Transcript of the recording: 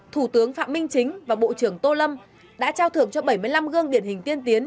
thủ tướng phạm minh chính và bộ trưởng tô lâm đã trao thưởng cho bảy mươi năm gương điển hình tiên tiến